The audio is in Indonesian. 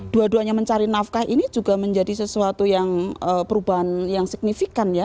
dua duanya mencari nafkah ini juga menjadi sesuatu yang perubahan yang signifikan ya